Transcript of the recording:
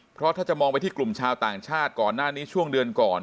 เพราะถ้าจะมองไปที่กลุ่มชาวต่างชาติก่อนหน้านี้ช่วงเดือนก่อน